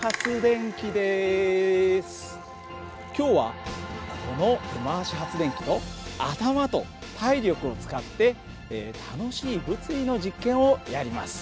今日はこの手回し発電機と頭と体力を使って楽しい物理の実験をやります。